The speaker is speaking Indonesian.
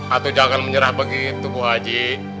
aduh jangan menyerah begitu bu haji